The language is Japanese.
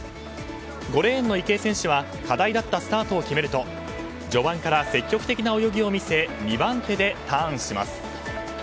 ５レーンの池江選手は課題だったスタートを決めると序盤から積極的な泳ぎを見せ２番手でターンします。